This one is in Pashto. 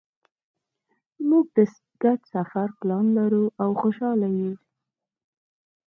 مونږ د ګډ سفر پلان لرو او خوشحاله یو